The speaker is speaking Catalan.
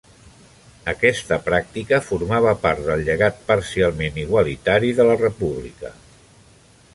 Aquesta pràctica formava part del llegat parcialment igualitari de la República.